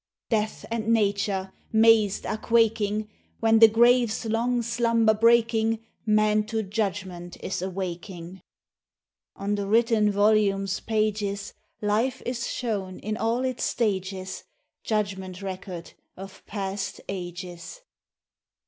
Death and Nature, mazed, are quaking, When, the grave's long slumber breaking, Man to judgment is awaking. On the written Volume's pages, Life is shown in all its stages Judgment record of past ages.